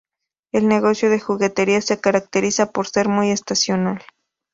El negocio de juguetería se caracteriza por ser muy estacional.